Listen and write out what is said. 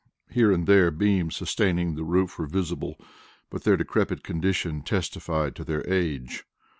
Here and there beams sustaining the roof were visible, but their decrepit condition testified to their age.